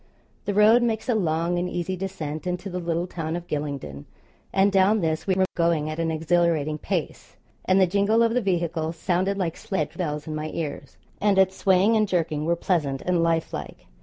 The road makes a long and easy descent into the little town of Gylingden, and down this we were going at an exhilarating pace, and the jingle of the vehicle sounded like sledge bells in my ears, and its swaying and jerking were pleasant and life like.